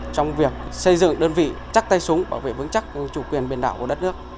trong việc xây dựng đơn vị chắc tay súng bảo vệ vững chắc chủ quyền biển đảo của đất nước